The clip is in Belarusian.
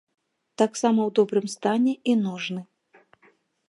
Таксама ў добрым стане і ножны.